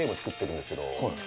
んですけど。